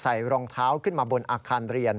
รองเท้าขึ้นมาบนอาคารเรียน